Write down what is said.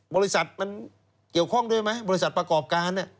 บริษัทมันเกี่ยวข้องด้วยไหมบริษัทประกอบการ